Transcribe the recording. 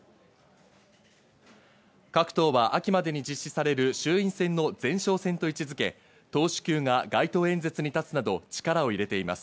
各党は秋までに実施される衆院選の前哨戦と位置付け、党首級が街頭演説に立つなど力を入れています。